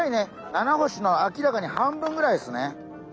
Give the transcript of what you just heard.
ナナホシの明らかに半分ぐらいですね。